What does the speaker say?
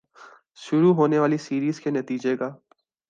شروع ہونے والی سیریز کے نتیجے کا